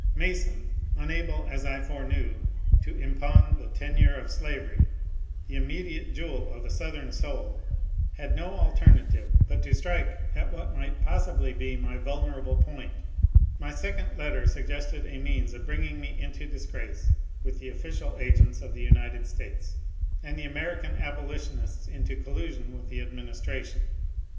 Mason, unable as I foreknew to impawn the tenure of slavery, the immediate jewel of the Southern soul, had no alternative but to strike at what might possibly be my vulnerable point. My second letter suggested a means of bringing me into disgrace with the official agents of the United States, and the Ameri can abolitionists into collision with the administration.